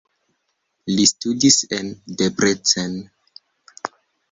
Li studis en Debrecen.